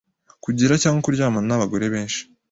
kugira cyangwa kuryamana n’abagore benshi